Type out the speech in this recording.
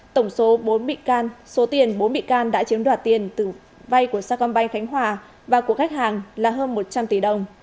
tổng số bốn bị can số tiền bốn bị can đã chiếm đoạt tiền vay của sacombank khánh hòa và của khách hàng là hơn một trăm linh tỷ đồng